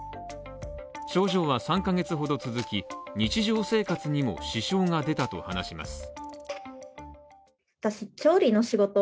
症状は３カ月ほど続き日常生活にも支障が出たと話します。